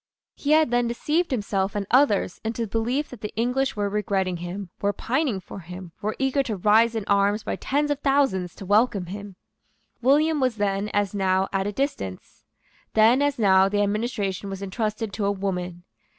He had then deceived himself and others into the belief that the English were regretting him, were pining for him, were eager to rise in arms by tens of thousands to welcome him. William was then, as now, at a distance. Then, as now, the administration was entrusted to a woman.